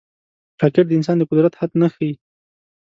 راکټ د انسان د قدرت حد نه ښيي